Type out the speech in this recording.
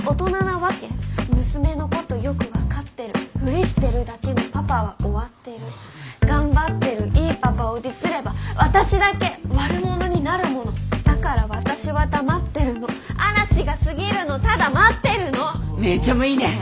娘のことよく分かってるふりしてるだけのパパは終わってる頑張ってるいいパパをｄｉｓれば私だけ悪者になるものだから私は黙ってるの嵐が過ぎるのただ待ってるの姉ちゃんもいいね！